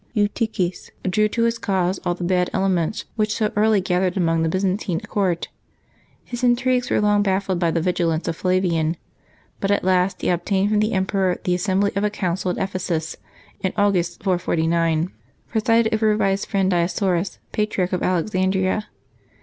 Eutyches drew to his cause all the bad elements which so early gathered about the Byzantine court His intrigues were long baffled by the vigilance of Flavian; but at last he obtained from the emperor the assembly of a council at Ephesus, in August 449, presided over by his friend Dioscorus, Patriarch of Alexandria.